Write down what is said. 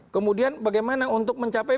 kemudian bagaimana untuk mencapai